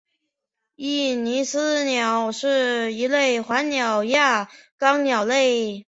利尼斯鸟是一类反鸟亚纲鸟类。